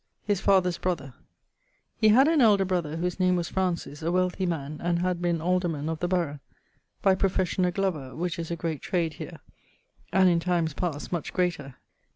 <_His father's brother._> He had an elder brother[FH] whose name was Francis, a wealthy man, and had been alderman[XC.] of the borough; by profession a glover[XCI.], which is a great trade here[XCII.], and in times past much greater.